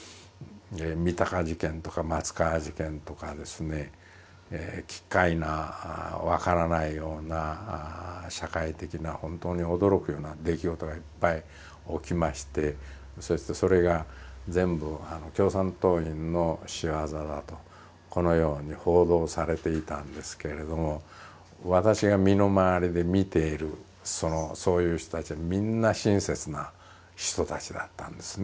三鷹事件とか松川事件とかですね奇っ怪な分からないような社会的な本当に驚くような出来事がいっぱい起きましてそしてそれが全部共産党員の仕業だとこのように報道されていたんですけれども私が身の回りで見ているそういう人たちはみんな親切な人たちだったんですね。